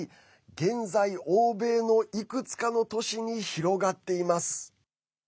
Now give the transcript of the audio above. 現在、欧米のいくつかの都市に広がっています。